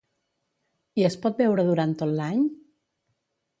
I es pot veure durant tot l'any?